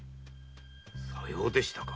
さようでしたか。